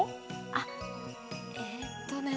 あっえっとね